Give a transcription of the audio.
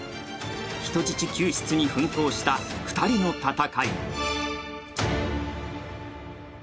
人質救出に奮闘した２人の闘い。